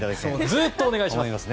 ずっとお願いします！